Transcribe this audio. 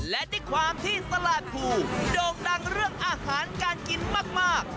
และด้วยความที่ตลาดภูโด่งดังเรื่องอาหารการกินมาก